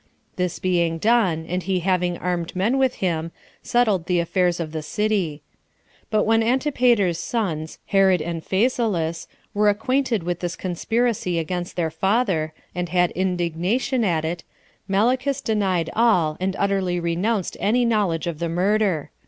This being done, and he having armed men with him, settled the affairs of the city. But when Antipater's sons, Herod and Phasaelus, were acquainted with this conspiracy against their father, and had indignation at it, Malichus denied all, and utterly renounced any knowledge of the murder.